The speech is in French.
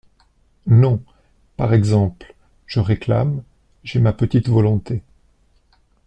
Non, par exemple, je réclame, J’ai ma petite volonté.